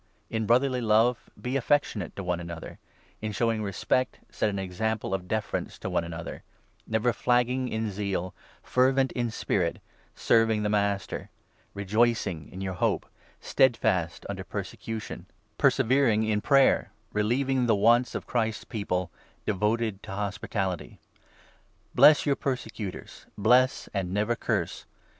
In brotherly love, be affectionate to one another ; in showing 10 respect, set an example of deference to one another ; never 1 1 flagging in zeal ; fervent in spirit ; serving the Master ; .rejoicing in your hope ; stedfast under persecution ; per 12 M— *> Iita. 40. 13, 14. ROMANS, 12—13. 369 severing in prayer ; relieving the wants of Christ's People ; 13 devoted to hospitality. Bless your persecutors — bless and 14 never curse.